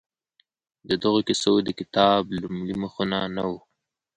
د دغو کیسو د کتاب لومړي مخونه نه وو؟